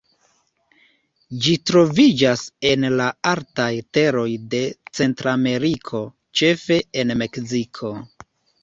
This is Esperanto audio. Ĝi troviĝas en la altaj teroj de Centrameriko, ĉefe en Meksiko.